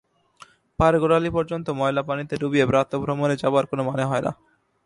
পায়ের গােড়ালি পর্যন্ত ময়লা পানিতে ডুবিয়ে প্রাতঃভ্রমণে যাবার কোনো মনে হয় না।